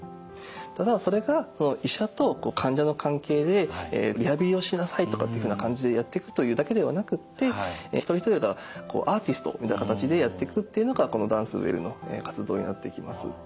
ただそれが医者と患者の関係で「リハビリをしなさい」とかっていうふうな感じでやっていくというだけではなくって一人一人がアーティストみたいな形でやっていくっていうのがこのＤａｎｃｅＷｅｌｌの活動になってきます。